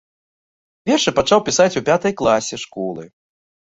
Вершы пачаў пісаць у пятай класе школы.